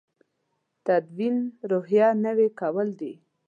تدین روحیې نوي کول دی.